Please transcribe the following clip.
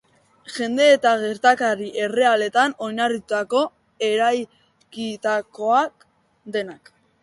Jende eta gertakari errealetan oinarrituta eraikitakoak denak.